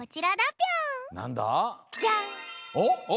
おっ？